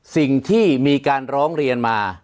สิ่งที่มีการร้องเรียนมา